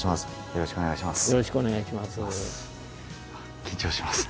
よろしくお願いします。